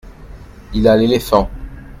Il a l’éléphant.